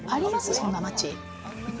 そんな街。